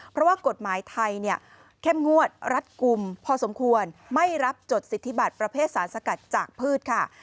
เพราะว่ากฎหมายไทยเนี่ยเข้มงวดรัดกลุ่มพอสมควรไม่รับจดสิทธิบัตรประเภทสารสกัดจากพืชค่ะ